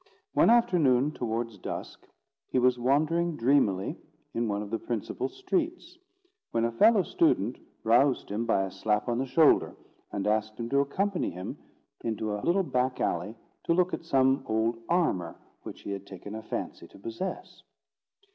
One afternoon, towards dusk, he was wandering dreamily in one of the principal streets, when a fellow student roused him by a slap on the shoulder, and asked him to accompany him into a little back alley to look at some old armour which he had taken a fancy to possess.